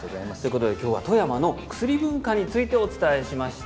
今日は富山の薬文化についてお伝えしました。